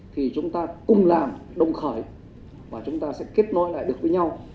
thì chúng ta cùng làm đồng khởi và chúng ta sẽ kết nối lại được với nhau